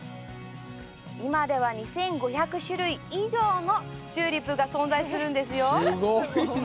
今では２５００種類以上のチューリップが存在するんですよ。